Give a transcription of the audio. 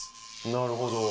なるほど。